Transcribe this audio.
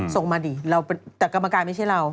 ส่งมาดิแต่กรรมการไม่ใช่เรา